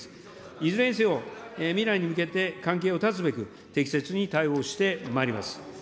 いずれにせよ、未来に向けて関係を断つべく、適切に対応してまいります。